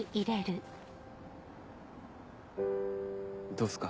どうっすか？